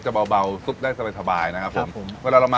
รสจะเบาซุปได้สบายนะครับครับผม